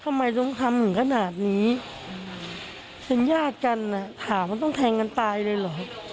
ทำไมต้องทำถึงขนาดนี้เป็นญาติกันอ่ะถามว่าต้องแทงกันตายเลยเหรอ